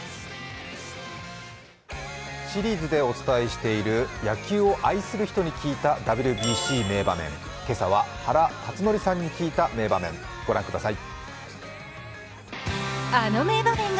シリーズでお伝えしている野球を愛する人に聞いたＷＢＣ名場面、今朝は原辰徳さんに聞いた名場面、ご覧ください。